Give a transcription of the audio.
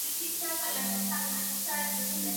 তাহার কোনো অভাব ছিল না।